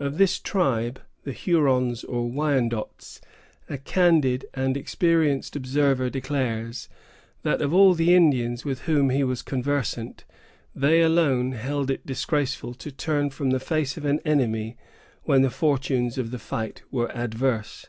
Of this tribe, the Hurons or Wyandots, a candid and experienced observer declares, that of all the Indians with whom he was conversant, they alone held it disgraceful to turn from the face of an enemy when the fortunes of the fight were adverse.